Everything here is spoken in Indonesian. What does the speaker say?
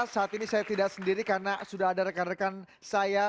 saat ini saya tidak sendiri karena sudah ada rekan rekan saya